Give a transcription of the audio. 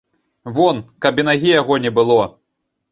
Вон, каб і нагі яго не было!